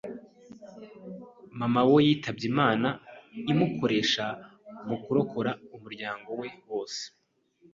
maman we yitabye Imana imukoresha mu kurokora umuryango we wose